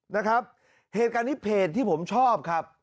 นะครับเหตุการณ์นี้เพจที่ผมชอบครับ